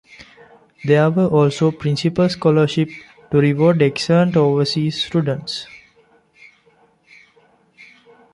There were also "Principal Scholarship" to reward excellent overseas students.